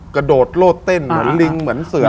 กระโดดโลดเต้นเหมือนลิงเหมือนเสือ